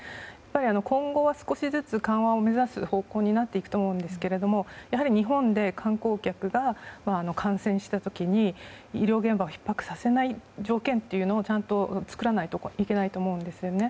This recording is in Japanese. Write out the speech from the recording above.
今後は少しずつ緩和を目指す方向になっていくと思うんですけどやはり日本で観光客が感染した時に医療現場をひっ迫させない条件というのをちゃんと作らないといけないと思うんですよね。